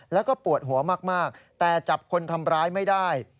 แล้วก็ปวดหัวมากแต่จับคนทำร้ายไม่ได้